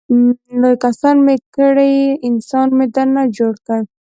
لوی انسان مې کړې انسان مې درنه جوړ کړ.